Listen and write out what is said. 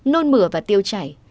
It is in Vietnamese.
nôn mửa và tiêu chảy